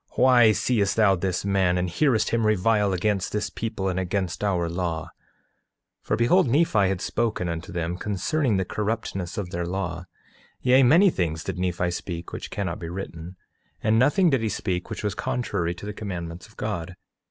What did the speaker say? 8:2 Why seest thou this man, and hearest him revile against this people and against our law? 8:3 For behold, Nephi had spoken unto them concerning the corruptness of their law; yea, many things did Nephi speak which cannot be written; and nothing did he speak which was contrary to the commandments of God.